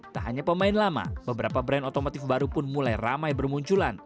tak hanya pemain lama beberapa brand otomotif baru pun mulai ramai bermunculan